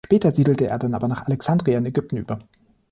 Später siedelte er dann aber nach Alexandria in Ägypten über.